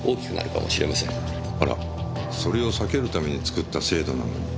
あらそれを避けるために作った制度なのに。